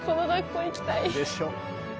でしょ？